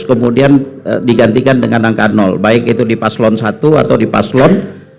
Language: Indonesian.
kemudian digantikan dengan angka baik itu di paslon satu atau di paslon